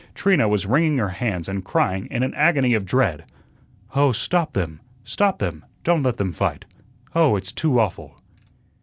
Trina was wringing her hands and crying in an agony of dread: "Oh, stop them, stop them! Don't let them fight. Oh, it's too awful."